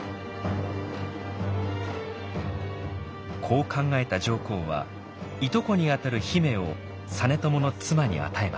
こう考えた上皇はいとこにあたる姫を実朝の妻に与えました。